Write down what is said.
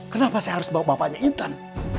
kenapa saya harus bawa bapaknya intan